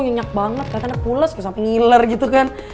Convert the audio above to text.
nyinyak banget kayaknya udah pulas kayak sapa ngiler gitu kan